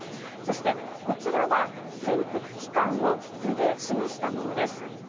そして、こちらは潜伏期間を図で示したものです。